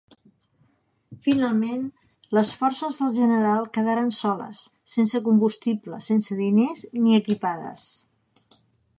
Finalment, les forces del general quedaren soles, sense combustible, sense diners ni equipades.